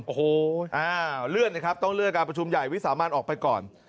โอ้โหเลื่อนนะครับต้องเลื่อนการประชุมใหญ่วิสามันออกไปก่อน